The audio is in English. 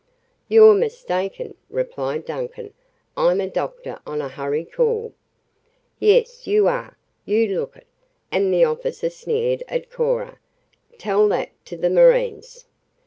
"You're mistaken," replied Duncan. "I'm a doctor on a hurry call " "Yes, you are! You look it!" and the officer sneered at Cora. "Tell that to the marines!"